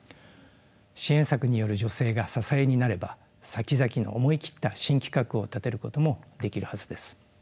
支援策による助成が支えになればさきざきの思い切った新企画を立てることもできるはずです。